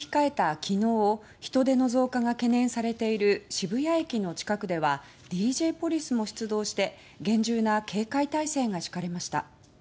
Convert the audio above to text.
ハロウィーン本番を直前に控えた昨日人出の増加が懸念されている渋谷駅の近くではＤＪポリスも出動して厳重な警戒態勢が敷かれました。